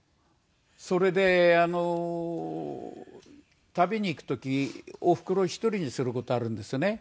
それであの旅に行く時おふくろを１人にする事があるんですよね。